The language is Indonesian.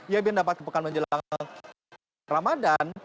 yang mendapatkan sepekan menjelang ramadhan